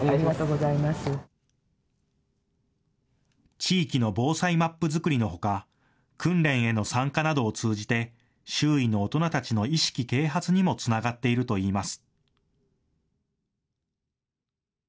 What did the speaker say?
地域の防災マップ作りのほか訓練への参加などを通じて周囲の大人たちの意識啓発にもつながっているといいます。